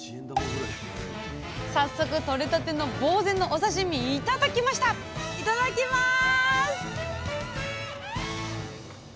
早速とれたてのぼうぜのお刺身頂きましたいただきます！